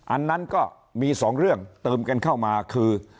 อันนั้นก็มีสองเรื่องเติมกันเข้ามาคือ